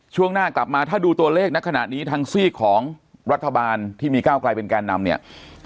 ช่วงหน้ากลับมาถ้าดูตัวเลขในขณะนี้ทางซีกของรัฐบาลที่มีก้าวกลายเป็นแกนนำเนี่ย